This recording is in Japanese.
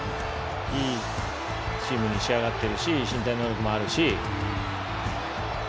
いいチームに仕上がってるし身体能力もあるし。